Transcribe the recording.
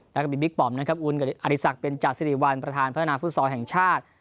แล้วก็มีบิ๊กปอมนะครับอุ่นกับอริสักเบนจาสิริวัลประธานพัฒนาฟุตซอลแห่งชาติ